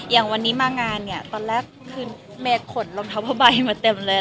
อย่างวันนี้มางานเนี่ยตอนแรกคือเมย์ขนรองเท้าผ้าใบมาเต็มเลย